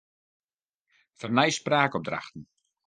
Fernij spraakopdrachten.